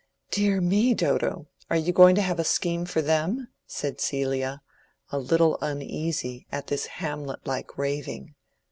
"Dear me, Dodo, are you going to have a scheme for them?" said Celia, a little uneasy at this Hamlet like raving.